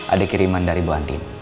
ada kiriman dari buantin